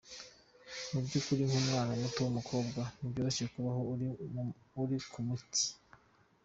Mu by’ukuri, nk’umwana muto w’umukobwa, ntibyoroshye kubaho uri ku miti.